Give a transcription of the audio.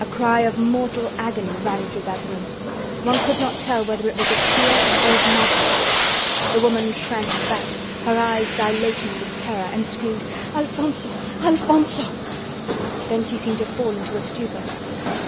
A cry of mortal agony rang through that room; one could not tell whether it was of fear or of madness. The woman shrank back, her eyes dilating with terror, and screamed: "Alfonzo, Alfonzo!" Then she seemed to fall into a stupor.